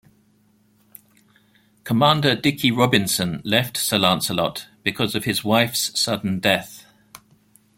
Commander Dickie Robinson left "Sir Lancelot" because of his wife's sudden death.